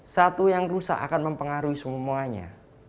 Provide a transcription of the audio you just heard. satu yang rusak akan mempengaruhi semua manusia